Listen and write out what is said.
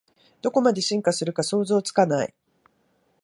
どこまで進化するか想像つかない